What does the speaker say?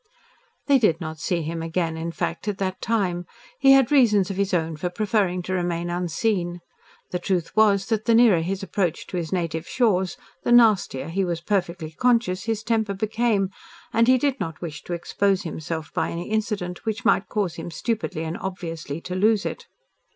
They did not see him again, in fact, at that time. He had reasons of his own for preferring to remain unseen. The truth was that the nearer his approach to his native shores, the nastier, he was perfectly conscious, his temper became, and he did not wish to expose himself by any incident which might cause him stupidly and obviously to lose it.